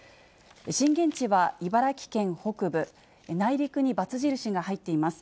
震源地は茨城県北部、内陸に×印が入っています。